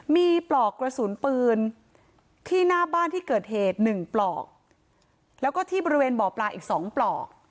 มีปลอกกระสุนปืนที่หน้าบ้านที่เกิดเหตุหนึ่งปลอกแล้วก็ที่บริเวณบ่อปลาอีกสองปลอก